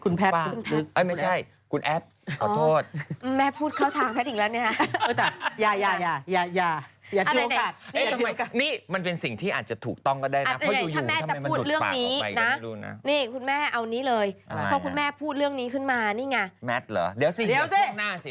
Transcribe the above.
นี่ไงแมทหรอเดี๋ยวสิเอาช่วงหน้าสิ